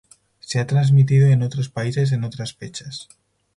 Se ha transmitido en otros países en otras fechas.